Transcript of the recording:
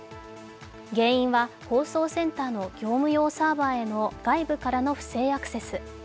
原因は放送センターの業務用サーバーへの外部からの不正アクセス。